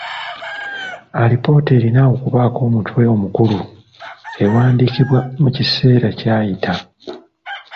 Alipoota erina okubaako omutwe omukulu, ewandiikibwa mu kiseera kyayita.